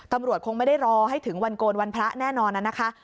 ตำรวจคงไม่ได้รอให้ถึงวันโกนวันพระแน่นอนนะคะ